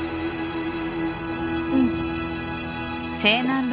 うん。